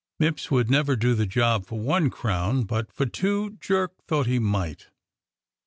Mipps would never do the job for one crown, but for two Jerk thought he might.